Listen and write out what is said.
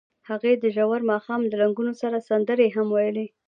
هغوی د ژور ماښام له رنګونو سره سندرې هم ویلې.